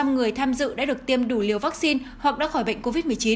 một mươi người tham dự đã được tiêm đủ liều vaccine hoặc đã khỏi bệnh covid một mươi chín